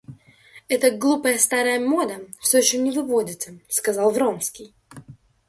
Эта глупая старая мода всё еще не выводится, — сказал Вронский.